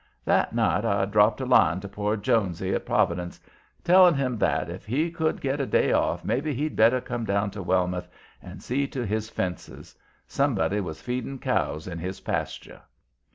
That night I dropped a line to poor Jonesy at Providence, telling him that, if he could get a day off, maybe he'd better come down to Wellmouth, and see to his fences; somebody was feeding cows in his pasture.